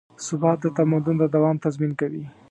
ثبات د تمدن د دوام تضمین کوي.